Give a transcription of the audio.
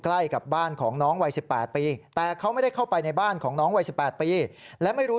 ใกล้กับบ้านของน้องวัย๑๘ปีแต่เขาไม่ได้เข้าไปในบ้านของน้องวัย๑๘ปีและไม่รู้